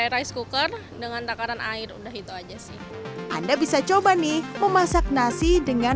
rice cooker dengan takaran air udah itu aja sih anda bisa coba nih memasak nasi dengan